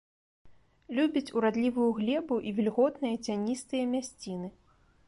Любіць урадлівую глебу і вільготныя, цяністыя мясціны.